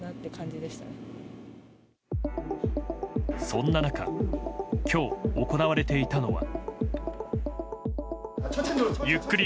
そんな中今日、行われていたのは。